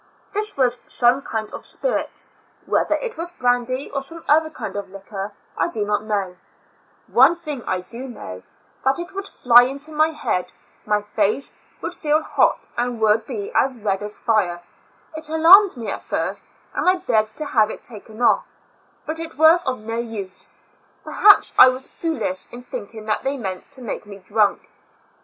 This was some kind of spirits; whether it was brandy or some other kind of liquor I do not know; one thing I do know, that it would fly into my head, m}^ face would feel hot and would be as red as lire; it alarmed me at first, and I begged to have it taken off, but it was of no use; perhaps I was foolish in thinking that they meant to make me drunk.